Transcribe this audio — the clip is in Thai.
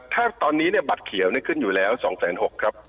ถ้าตอนนี้เนี่ยบัตรเขียวนี่ขึ้นอยู่แล้ว๒๖๐๐ครับ